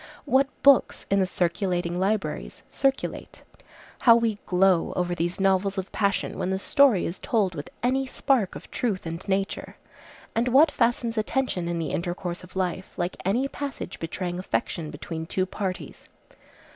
What books in the circulating libraries circulate? How we glow over these novels of passion, when the story is told with any spark of truth and nature! And what fastens attention, in the intercourse of life, like any passage betraying affection between two parties?